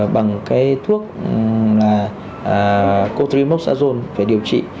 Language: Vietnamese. bằng cái thuốc là cotrimoxazone phải điều trị